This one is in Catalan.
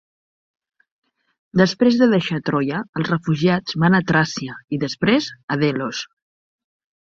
Després de deixar Troia, els refugiats van a Tràcia i després, a Delos.